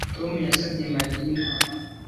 Tom yasabye Mariya inama